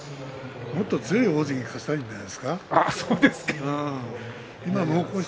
もっと強い大関に勝ちたいんじゃない？